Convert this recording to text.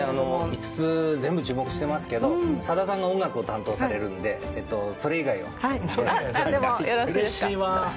５つ全部注目していますがさださんが音楽を担当されるのでうれしいわ！